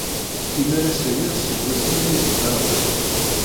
Imalas aya seg wasmi ay yezdeɣ da.